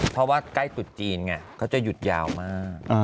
เพราะว่าใกล้ตุดจีนไงเขาจะหยุดยาวมาก